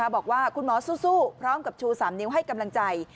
บอกว่าคุณหมอสู้พร้อมกับชู๓นิ้วให้กำลังใจ